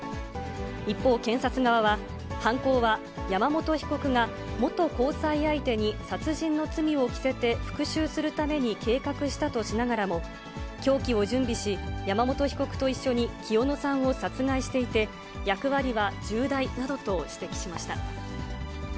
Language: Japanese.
一方、検察側は、犯行は山本被告が元交際相手に殺人の罪を着せて復讐するために計画したとしながらも、凶器を準備し、山本被告と一緒に清野さんを殺害していて、役割は重大などと指摘しました。